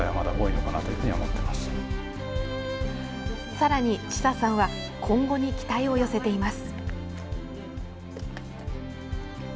さらに知佐さんは今後に期待を寄せています。